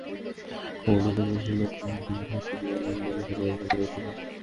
মোহাম্মদপুরের বসিলা পশুর হাটের পাশে একটি ডোবার পানিতে গোসল করানো হচ্ছে গরুটিকে।